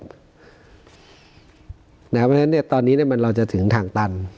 เพราะฉะนั้นตอนนี้เราจะถึงทางตัน